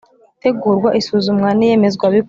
Itegurwa isuzumwa n iyemezwabikorwa